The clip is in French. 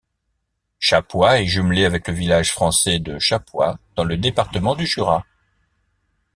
Chapois est jumelé avec le village français de Chapois dans le département du Jura.